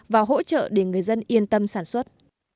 và hỗ trợ để người dân yên tâm sản xuất